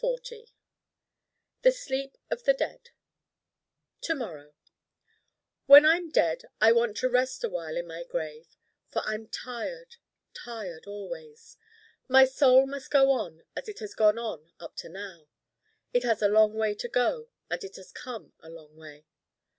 The sleep of the dead To morrow When I'm dead I want to Rest awhile in my grave: for I'm Tired, Tired always. My Soul must go on as it has gone on up to now. It has a long way to go, and it has come a long way.